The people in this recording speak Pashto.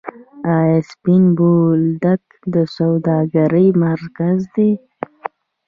آیا سپین بولدک د سوداګرۍ مرکز دی؟